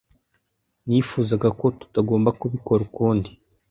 Nifuzaga ko tutagomba kubikora ukundi.